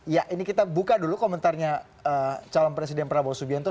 ya ini kita buka dulu komentarnya calon presiden prabowo subianto